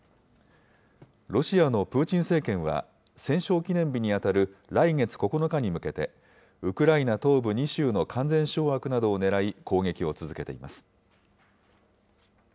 ロシアのプーチン政権は、戦勝記念日に当たる来月９日に向けて、ウクライナ東部２州の完全掌握などをねらい、攻撃を続けています。